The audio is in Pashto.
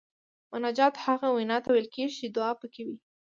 مناجات هغې وینا ته ویل کیږي چې دعا پکې وي.